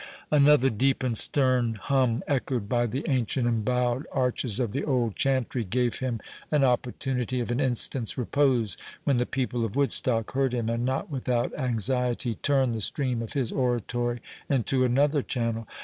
Another deep and stern hum, echoed by the ancient embow'd arches of the old chantry, gave him an opportunity of an instant's repose; when the people of Woodstock heard him, and not without anxiety, turn the stream of his oratory into another channel.